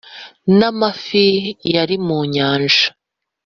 n’amafi yari mu nyanja.